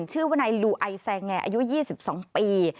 ชื่อว่าในลูไอแซงแงอายุ๒๒ปี